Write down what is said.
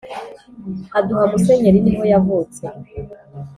Aduha Musenyeri ni ho yavutse